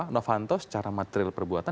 navanto secara material perbuatan